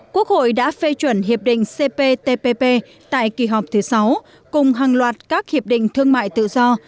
quốc hội đã phê chuẩn hiệp định cptpp tại kỳ họp thứ sáu cùng hàng loạt các hiệp định thương mại tự do